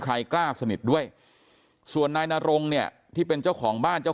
ใครกล้าสนิทด้วยส่วนนายนรงเนี่ยที่เป็นเจ้าของบ้านเจ้า